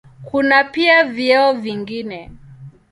Kuna pia vyeo vingine.